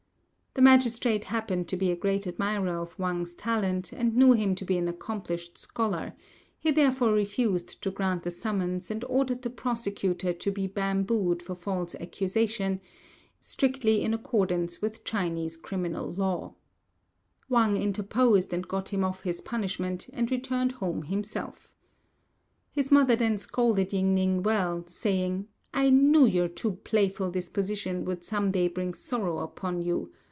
The magistrate happened to be a great admirer of Wang's talent, and knew him to be an accomplished scholar; he therefore refused to grant the summons, and ordered the prosecutor to be bambooed for false accusation. Wang interposed and got him off this punishment, and returned home himself. His mother then scolded Ying ning well, saying, "I knew your too playful disposition would some day bring sorrow upon you.